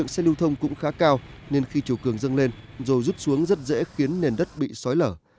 xe lưu thông cũng khá cao nên khi chiều cường dâng lên rồi rút xuống rất dễ khiến nền đất bị xói lở